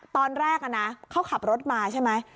ตอนแรกนะเขาขับรถมาใช่ไหม